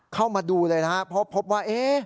เข้ามาดูเลยนะครับเพราะพบว่า